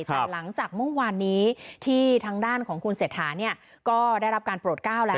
แต่หลังจากเมื่อวานนี้ที่ทางด้านของคุณเศรษฐาเนี่ยก็ได้รับการโปรดก้าวแล้ว